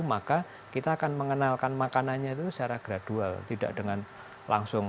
maka kita akan mengenalkan makanannya itu secara gradual tidak dengan langsung